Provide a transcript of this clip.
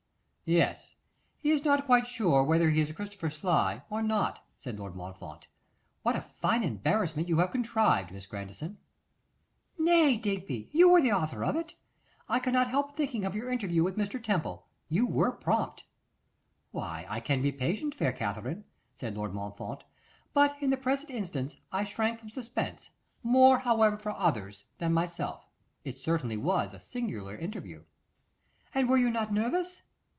'Yes, he is not quite sure whether he is Christopher Sly or not,' said Lord Montfort. 'What a fine embarrassment you have contrived, Miss Grandison!' 'Nay, Digby, you were the author of it. I cannot help thinking of your interview with Mr. Temple. You were prompt!' 'Why, I can be patient, fair Katherine,' said Lord Montfort; 'but in the present instance I shrank from suspense, more, however, for others than myself. It certainly was a singular interview.' 'And were you not nervous?